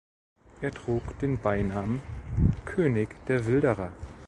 Er trug den Beinamen König der Wilderer.